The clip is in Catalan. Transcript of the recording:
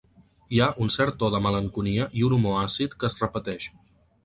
Hi ha un cert to de malenconia i un humor àcid que es repeteix.